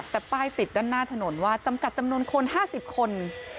แต่ป้ายติดด้านหน้าถนนว่าจำกัดจำนวนคน๕๐คน